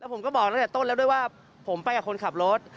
ผมก็บอกตั้งแต่ต้นผมไปกับคนขับรถ